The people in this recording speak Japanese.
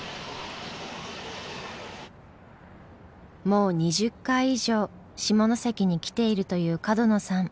もう２０回以上下関に来ているという角野さん。